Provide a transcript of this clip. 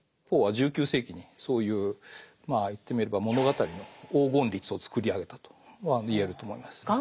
ポーは１９世紀にそういうまあ言ってみれば物語の黄金律を作り上げたと言えると思います。